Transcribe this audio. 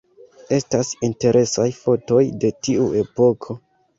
Estas interesaj fotoj de tiu epoko.